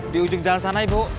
di ujung jalan sana ibu